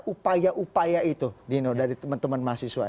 upaya upaya itu dino dari teman teman mahasiswa